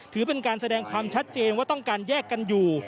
ถือเป็นการแสดงความชัดเจนว่าต้องการแยกกันอยู่